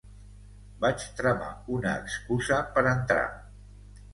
Vaig tramar una excusa per entrar.